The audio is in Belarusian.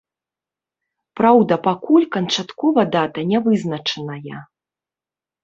Праўда, пакуль канчаткова дата не вызначаная.